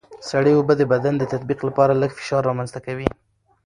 سړه اوبه د بدن د تطبیق لپاره لږ فشار رامنځته کوي.